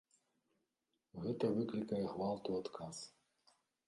Гэта выклікае гвалт у адказ.